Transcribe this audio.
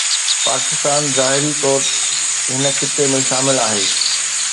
پاڪستان ظاهري طور هن خطي ۾ شامل آهي.